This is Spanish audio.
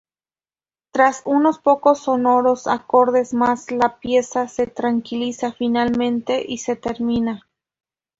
Tras unos pocos sonoros acordes más, la pieza se tranquiliza finalmente y termina.